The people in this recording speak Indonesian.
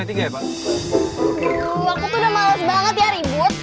aduh aku tuh udah males banget ya ribut